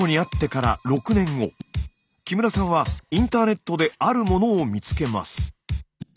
木村さんはインターネットであるものを見つけます。